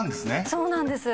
そうなんです。